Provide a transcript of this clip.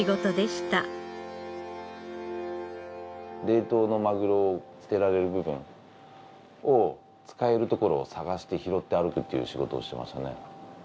冷凍のまぐろ捨てられる部分を使えるところを探して拾って歩くっていう仕事をしていましたね。